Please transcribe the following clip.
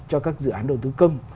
cho các dự án đầu tư công